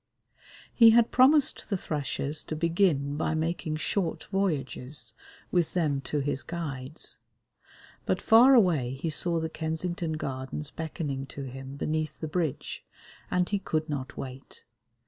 He had promised the thrushes to begin by making short voyages, with them to his guides, but far away he saw the Kensington Gardens beckoning to him beneath the bridge, and he could not wait.